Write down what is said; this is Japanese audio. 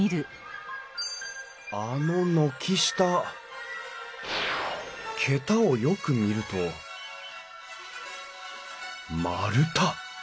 あの軒下桁をよく見ると丸太。